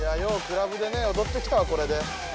クラブでね踊ってきたわこれで。